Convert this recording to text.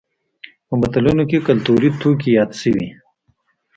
په متلونو کې کولتوري توکي یاد شوي دي